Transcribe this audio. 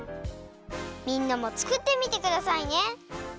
みんなもつくってみてくださいね。